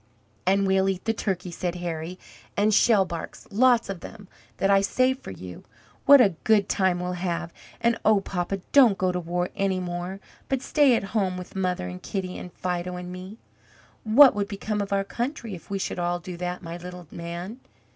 "And we'll eat the turkey," said Harry, "and shellbarks, lots of them, that I saved for you. What a good time we'll have! And oh, papa, don't go to war any more, but stay at home, with mother and Kitty and Fido and me." "What would become of our country if we should all do that, my little man?